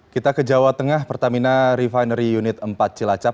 kita ke jawa tengah pertamina refinery unit empat cilacap